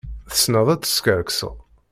Tessneḍ ad teskerkseḍ.